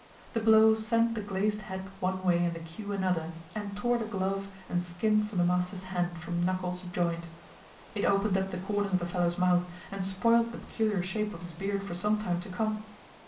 The blow sent the glazed hat one way and the cue another, and tore the glove and skin from the master's hand from knuckle to joint. It opened up the corners of the fellow's mouth, and spoilt the peculiar shape of his beard for some time to come.